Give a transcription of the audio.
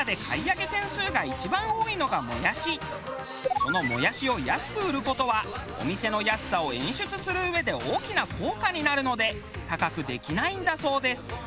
そのもやしを安く売る事はお店の安さを演出するうえで大きな効果になるので高くできないんだそうです。